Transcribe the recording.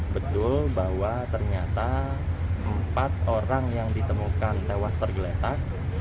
betul bahwa ternyata empat orang yang ditemukan tewas tergeletak